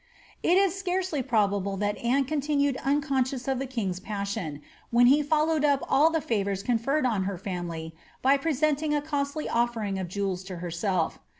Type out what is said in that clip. It is scarcely probable that Anne continued unconscious of the king^s ptttion, when he followed up all the favours conferred on her family by presenting a costly ofiering of jewels to herself.